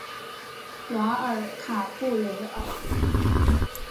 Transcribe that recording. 瓦尔卡布雷尔。